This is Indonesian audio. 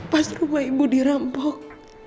pas rumah ibu dirampok